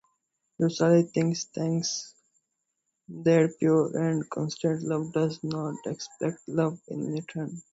Rustaveli thinks that pure and constant love does not expect love in return.